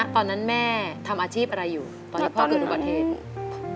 ตอนนั้นแม่ทำอาชีพอะไรอยู่ตอนที่พ่อเกิดอุบัติเหตุ